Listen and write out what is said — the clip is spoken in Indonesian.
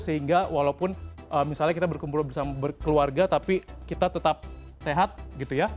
sehingga walaupun misalnya kita berkumpul bersama berkeluarga tapi kita tetap sehat gitu ya